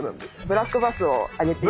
ブラックバス。